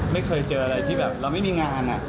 ไม่เคยเจออะไรที่แบบเราไม่มีงาน